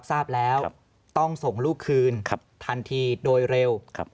ทราบแล้วต้องส่งลูกคืนทันทีโดยเร็ว